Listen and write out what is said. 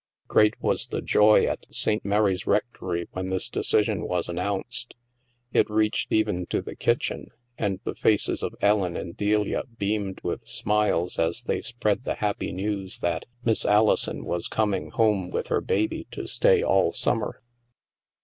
Great was the joy at St. Mary's Rectory when this decision was an nounced. It reached even to the kitchen, and the faces of Ellen and Delia beamed with smiles as they spread the happy news that " Miss Alison was com ing home with her baby to stay all summer."